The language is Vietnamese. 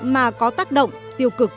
mà có tác động tiêu cực